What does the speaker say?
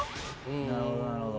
なるほどなるほど。